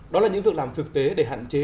đó là những việc làm thực tế để hạn chế